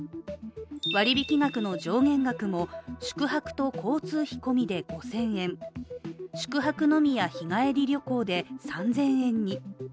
割引額の上限額も宿泊と交通費込みで５０００円宿泊のみや日帰り旅行で３０００円に。